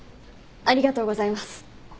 ありがとうございます。